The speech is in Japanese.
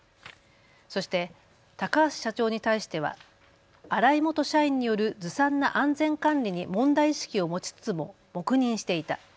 そして高橋社長に対しては荒井元社員によるずさんな安全管理に問題意識を持ちつつも黙認していた。